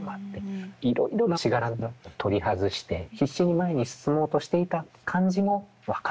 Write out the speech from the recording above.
いろいろなしがらみを取り外して必死に前に進もうとしていた感じも分かる。